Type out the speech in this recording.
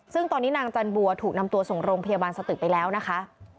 ซึ่งตอนนี้นางจันบัวถูกนำตัวส่งโรงพยาบาลสตึกไปแล้วนะคะ